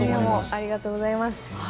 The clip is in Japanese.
ありがとうございます。